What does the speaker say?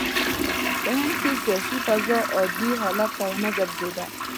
په هند کې سیاسي فضا عادي حال ته ونه ګرځېده.